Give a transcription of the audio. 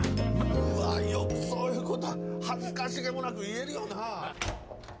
うわよくそういうこと恥ずかしげもなく言えるよな！